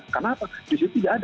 kenapa disitu tidak ada